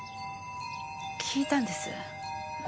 聞いたんです。